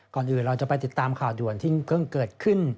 ก่อนอื่นเราจะไปติดตามข่าวด่วนที่เพิ่งเกิดขึ้น